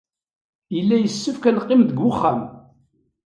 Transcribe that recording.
Yella yessefk ad neqqim deg wexxam.